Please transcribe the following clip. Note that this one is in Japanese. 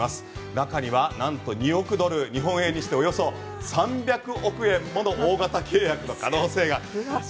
中にはなんと２億ドル日本円にしておよそ３００億円ほどの大型契約の可能性があります。